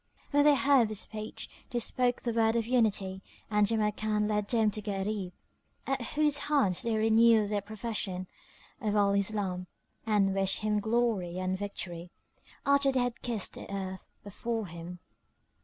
When they heard his speech, they spoke the word of Unity and Jamrkan led them to Gharib, at whose hands they renewed their profession of Al Islam and wished him glory and victory, after they had kissed the earth before him.